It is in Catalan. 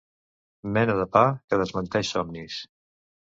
Mena de pa que desmenteix somnis.